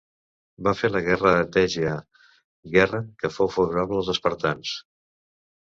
Va fer la guerra a Tegea, guerra que fou favorable als espartans.